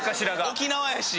沖縄やし？